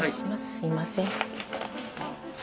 すみません。